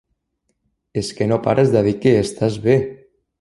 És que no pares de dir que estàs bé.